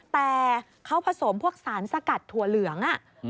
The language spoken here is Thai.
แต่เขาผสมพวกสารสกัดถั่วเหลือง